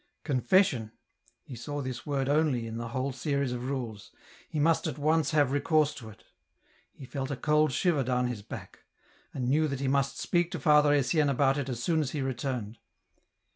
Confession ! He saw this word only in the whole series of rules. He must at once have recourse to it. He felt a cold shiver down his back ; and knew that he must speak to Father Etienne about it as soon as he returned.